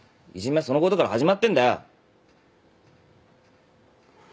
いじめはそのことから始まってんだよ。